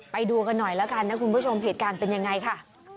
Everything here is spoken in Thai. ไปดูกันหน่อยแล้วกันนะคุณผู้ชมเหตุการณ์เป็นยังไงค่ะ